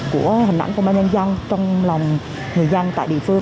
của hình ảnh của ban nhân dân trong lòng người dân tại địa phương